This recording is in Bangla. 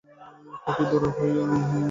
খুকী, বড় হইয়া তুই কী করবি?